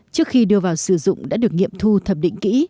trước khi đưa vào sử dụng đã được nghiệm thu thập định kỹ